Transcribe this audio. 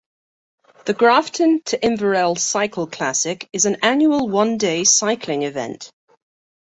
The Grafton to Inverell Cycle Classic is an annual one day cycling event.